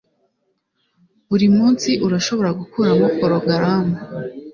Buri munsi urashobora gukuramo porogaramu